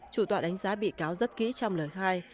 chủ tọa đánh giá bị cáo rất kỹ trong lời khai